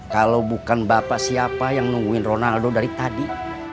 kalau bukan bapak siapa yang nungguin ronaldo dari tadi